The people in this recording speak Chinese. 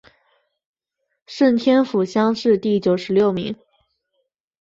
顺天府乡试第九十六名。